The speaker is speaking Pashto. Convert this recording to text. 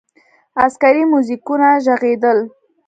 عسکري موزیکونه ږغېدل.